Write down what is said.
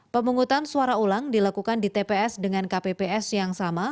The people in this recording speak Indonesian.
pemungutan suara ulang dilakukan di tps dengan kpps yang sama